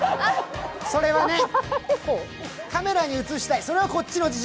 それはね、カメラに映したいそれはこっちの事情。